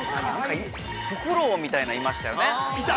フクロウみたいなん、いましたよね。